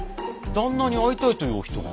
旦那に会いたいというお人が。